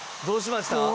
どうしました？